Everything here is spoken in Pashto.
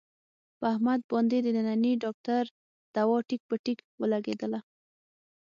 په احمد باندې د ننني ډاکټر دوا ټیک په ټیک ولږېدله.